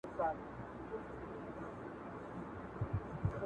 ماښامنۍ خو به راسره کوې